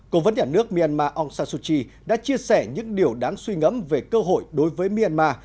cổ vấn nhà nước myanmar aung san suu kyi đã chia sẻ những điều đáng suy ngấm về cơ hội đối với myanmar